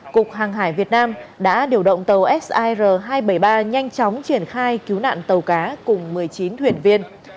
cục hàng hải việt nam đã điều động tàu sir hai trăm bảy mươi ba nhanh chóng triển khai cứu nạn tàu cá cùng một mươi chín thuyền viên